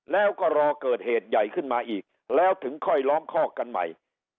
แล้วก็รอเกิดเหตุใหญ่ขึ้นมาอีกแล้วถึงค่อยล้อมคอกกันใหม่